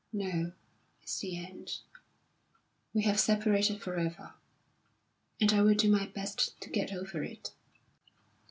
No; it's the end. We have separated for ever, and I will do my best to get over it."